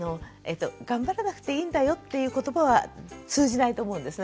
頑張らなくていいんだよっていう言葉は通じないと思うんです。